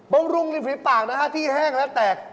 บรุงลิฟท์ฝีปากนะครับที่แห้งและแตก